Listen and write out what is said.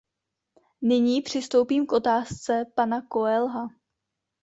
Nyní přistoupím k otázce pana Coelha.